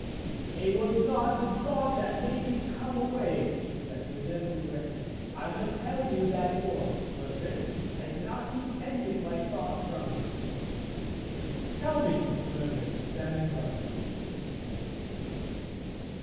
'It was not the draught that made me come away,' she said with gentle directness. 'I must tell you what it was, Wilfrid. I cannot keep any of my thoughts from you.' 'Tell me,' he murmured, standing by her.